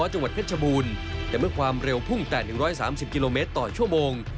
จังหวัดเพชรชบูรณ์แต่เมื่อความเร็วพุ่งแต่๑๓๐กิโลเมตรต่อชั่วโมง